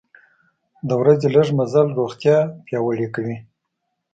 د ورځې لږه مزل روغتیا پیاوړې کوي.